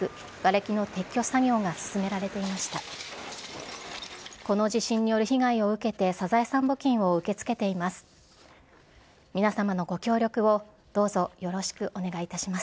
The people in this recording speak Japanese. この地震による被害を受けてサザエさん募金を受け付けています。